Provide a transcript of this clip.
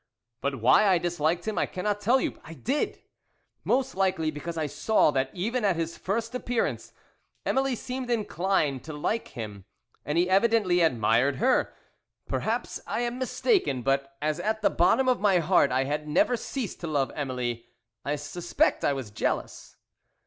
"But why I disliked him I cannot tell you. I did! "Most likely because I saw that even at his first appearance Emily seemed inclined to like him, and he evidently admired her. Perhaps I am mistaken, but, as at the bottom of my heart I had never ceased to love Emily, I suspect I was jealous.